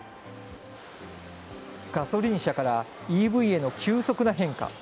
ガソリン車からＥＶへの急速な変化。